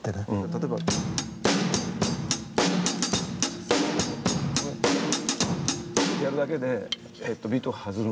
例えば。ってやるだけでビートが弾む。